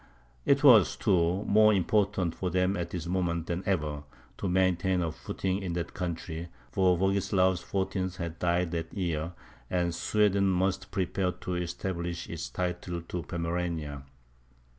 It was, too, more important for them at this moment than ever, to maintain a footing in that country, for Bogislaus XIV. had died that year, and Sweden must prepare to establish its title to Pomerania.